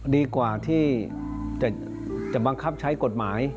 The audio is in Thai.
ดีกว่าที่จะบังคับใช้กฎหมาย